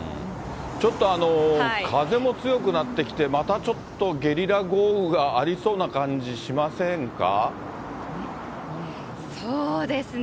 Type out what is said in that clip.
ちょっと風も強くなってきて、またちょっとゲリラ豪雨がありそそうですね。